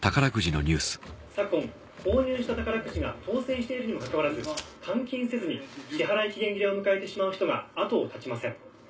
「昨今購入した宝くじが当せんしているにもかかわらず換金せずに支払期限切れを迎えてしまう人があとを絶ちません」